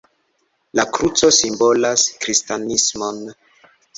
La kruco simbolas kristanismon.